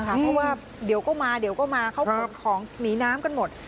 เพราะว่าเดี๋ยวก็มาเดี๋ยวก็มาเขาขนของหนีน้ำกันหมด